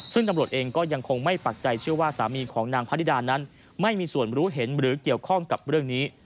ซึ่งตำรวจเองก็ยังคงไม่ปักใจเชื่อว่าสามีของนางพระนิดานั้นไม่มีส่วนรู้เห็นหรือเกี่ยวข้องกับเรื่องนี้